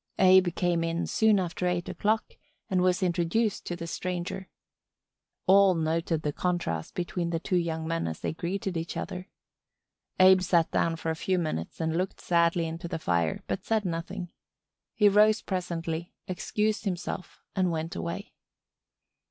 ... Abe came in, soon after eight o'clock, and was introduced to the stranger. All noted the contrast between the two young men as they greeted each other. Abe sat down for a few minutes and looked sadly into the fire but said nothing. He rose presently, excused himself and went away.